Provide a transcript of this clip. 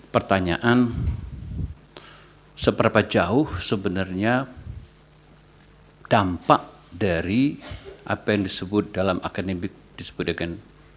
pertanyaan seberapa jauh sebenarnya dampak dari apa yang disebut dalam akademik disebut dengan